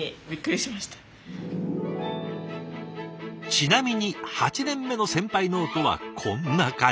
ちなみに８年目の先輩ノートはこんな感じ。